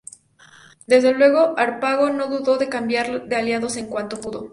Desde luego, Harpago no dudó en cambiar de aliados en cuanto pudo.